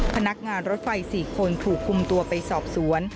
พนักงานรถไฟ๔คนถูกคุมตัวไปสอบสวน